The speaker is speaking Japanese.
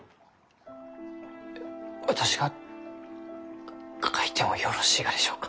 え私が書いてもよろしいがでしょうか？